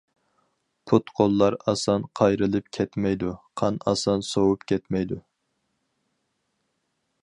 پۇت-قوللار ئاسان قايرىلىپ كەتمەيدۇ، قان ئاسان سوۋۇپ كەتمەيدۇ.